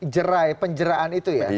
jera penjeraan itu ya